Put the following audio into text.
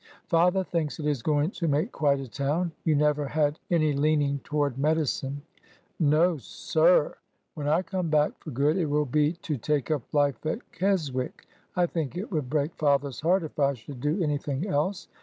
Father thinks it is going to make quite a town. You never had any leaning toward medicine." No, sir. When I come back for good, it will be to take up life at Keswick. I think it would break father's heart if I should do anything else.